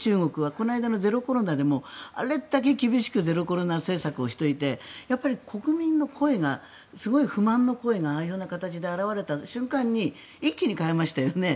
この間のゼロコロナでもあれだけ厳しくゼロコロナ政策をしていて国民の声がすごい不満の声がああいう形で表れた瞬間に一気に変えましたよね。